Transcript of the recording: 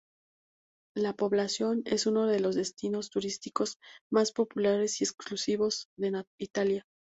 La población es uno de los destinos turísticos más populares y exclusivos de Italia.